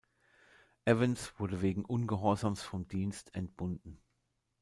Evans wurde wegen Ungehorsams von Dienst entbunden.